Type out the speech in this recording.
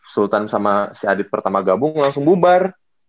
sultan sama si adit pertama gabung langsung bubar